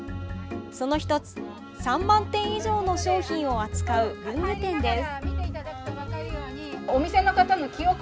その１つ、３万点以上の商品を扱う文具店です。